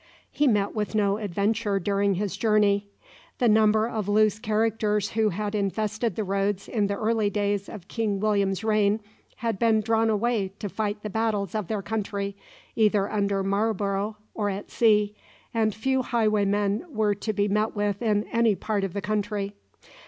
He met with no adventure during his journey. The number of loose characters who had infested the roads in the early days of King William's reign, had been drawn away to fight the battles of their country, either under Marlborough or at sea, and few highwaymen were to be met with in any part of the country.